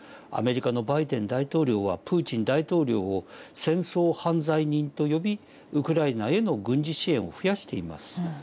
アメリカのバイデン大統領はプーチン大統領を戦争犯罪人と呼びウクライナへの軍事支援を増やしています。